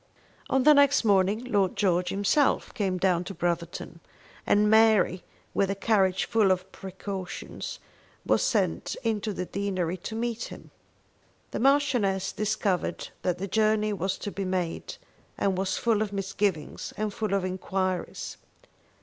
On the next morning Lord George himself came down to Brotherton, and Mary with a carriage full of precautions, was sent into the deanery to meet him. The Marchioness discovered that the journey was to be made, and was full of misgivings and full of enquiries.